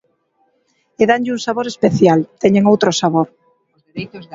E danlle un sabor especial, teñen outro sabor.